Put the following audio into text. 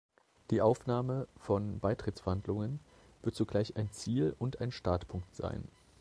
Die Aufnahme von Beitrittsverhandlungen wird zugleich ein Ziel- und ein Startpunkt sein.